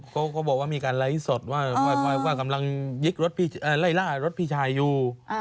เขาบอกว่ามีการไลฟ์สดว่ากำลังยิกรถไล่ล่ารถพี่ชายอยู่